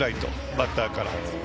バッターからは。